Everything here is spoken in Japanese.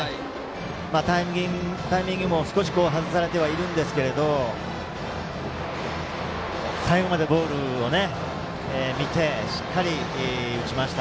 少しタイミングも外されていますけど最後までボールを見てしっかり打ちました。